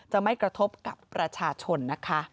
จะไม่กระทบกับประชาชนนะคะ